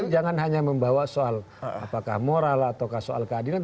jangan hanya membawa soal apakah moral atau soal keadilan